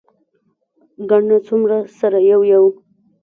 ګڼه څومره سره یو یو.